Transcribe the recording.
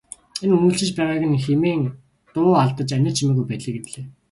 Энэ үнэгчилж байгааг нь хэмээн дуу алдаж анир чимээгүй байдлыг эвдлээ.